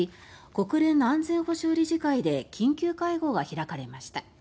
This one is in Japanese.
国連の安全保障理事会で緊急会合が開かれました。